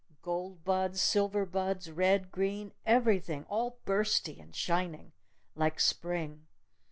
Gold buds! Silver buds! Red! Green! Everything! All bursty! And shining! Like Spring!